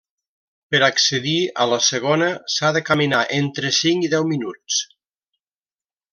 Per accedir a la segona s'ha de caminar entre cinc i deu minuts.